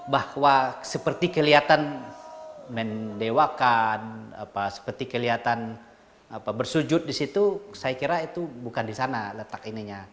bahwa seperti kelihatan mendewakan seperti kelihatan bersujud di situ saya kira itu bukan di sana letak ininya